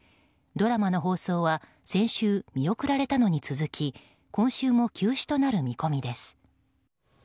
ドラマの放送は先週見送られたのに続き今週も休止となる見込みです。